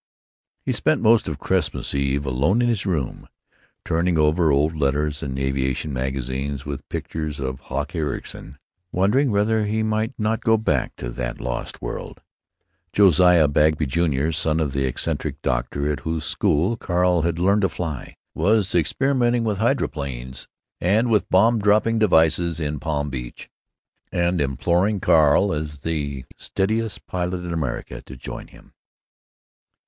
He spent most of Christmas Eve alone in his room, turning over old letters, and aviation magazines with pictures of Hawk Ericson, wondering whether he might not go back to that lost world. Josiah Bagby, Jr., son of the eccentric doctor at whose school Carl had learned to fly, was experimenting with hydroaeroplanes and with bomb dropping devices at Palm Beach, and imploring Carl, as the steadiest pilot in America, to join him.